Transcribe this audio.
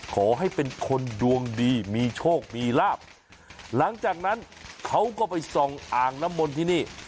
ขอให้เป็นคนดวงดีมีโชคมีลาบหลังจากนั้นเขาก็ไปส่องอ่างน้ำมนต์ที่นี่